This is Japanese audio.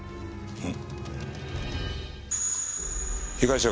うん。